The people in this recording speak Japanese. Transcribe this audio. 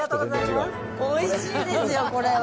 おいしいですよ、これは。